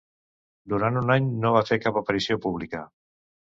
Durant un any no va fer cap aparició pública.